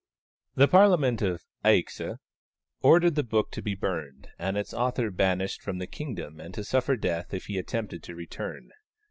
The Parliament of Aix ordered the book to be burned, and its author banished from the kingdom and to suffer death if he attempted to return.